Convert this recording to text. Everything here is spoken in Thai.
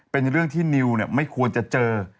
เป็นเรื่องที่นิวไม่ควรจะเจอ